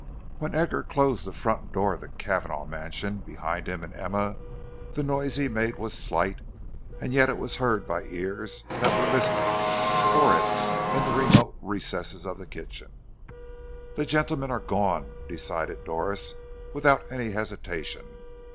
When Edgar closed the front door of the Cavanagh mansion behind himself and Emma, the noise he made was slight, and yet it was heard by ears that were listening for it in the remote recesses of the kitchen. "The gentlemen are gone," decided Doris, without any hesitation.